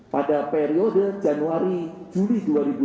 pada periode januari juli dua ribu dua puluh